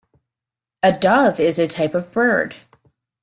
A Dove is a type of bird.